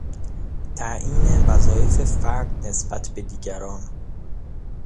تعیین وظایف فرد نسبت به دیگران